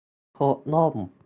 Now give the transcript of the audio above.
พกร่ม